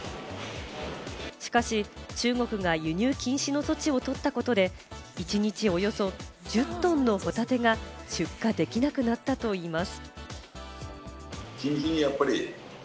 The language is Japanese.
しかし、中国が輸入禁止の措置を取ったことで、一日およそ１０トンのホタテが出荷できなくなったといいます。